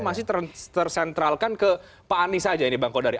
masih tersentralkan ke pak anies saja ini bang kodari